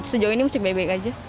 sejauh ini masih baik baik saja